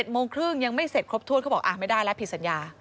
โมงครึ่งยังไม่เสร็จครบถ้วนเขาบอกไม่ได้แล้วผิดสัญญา